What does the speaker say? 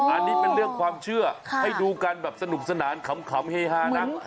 อันนี้เป็นเรื่องความเชื่อให้ดูกันแบบสนุกสนานขำเฮฮานะ